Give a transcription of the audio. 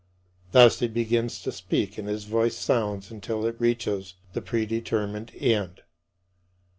Thus he begins to speak and his voice sounds until it reaches the predetermined end.